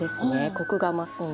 コクが増すので。